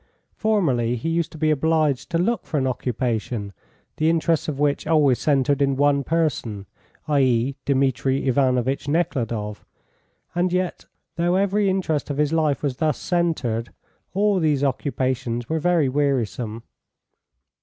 Formerly he used to be obliged to look for an occupation, the interest of which always centred in one person, i.e., Dmitri Ivanovitch Nekhludoff, and yet, though every interest of his life was thus centred, all these occupations were very wearisome.